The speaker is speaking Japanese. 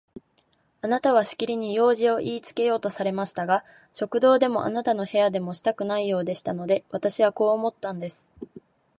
あなたはしきりに用事をいいつけようとされましたが、食堂でもあなたの部屋でもしたくないようでしたので、私はこう思ったんです。